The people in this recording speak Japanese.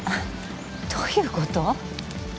どういうこと？